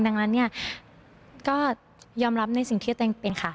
ดังนั้นเนี่ยก็ยอมรับในสิ่งที่ตัวเองเป็นค่ะ